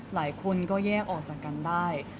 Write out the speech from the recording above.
หลายคนก็แยกออกจากกันได้